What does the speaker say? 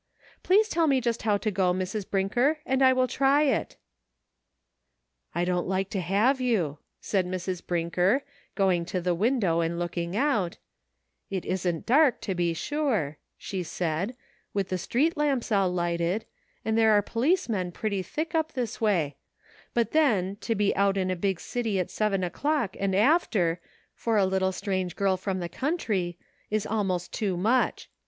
Please tell me just how to go, Mrs. Brinker, and I will try it." "I don't like to have you," said Mrs. Brinker, going to the window and looking out ;" it isn't dark, to be sure," she said, "with the street NIGHT WOBK. 117 lamps all lighted, and there are policemen pretty thick up this way; but then, to be out in a big city at seven o'clock and after, for a little strange girl from the country, is almost too much.